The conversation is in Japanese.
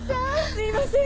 すいません！